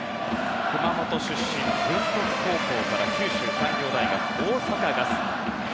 熊本出身文徳高校から九州産業大学大阪ガス。